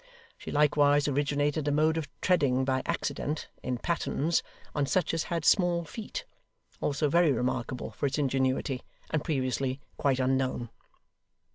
She likewise originated a mode of treading by accident (in pattens) on such as had small feet; also very remarkable for its ingenuity, and previously quite unknown.